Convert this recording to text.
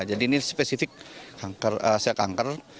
jadi ini spesifik sel kanker